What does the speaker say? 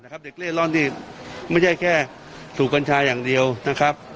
เด็กเล่ร่อนนี่ไม่ใช่แค่สูบกัญชาอย่างเดียวนะครับ